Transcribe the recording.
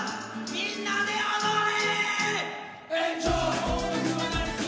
みんなで踊れ！